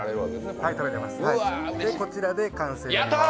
こちらで完成になります。